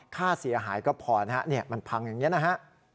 ค่าเสียหายก็พอนะฮะมันพังอย่างนี้นะฮะ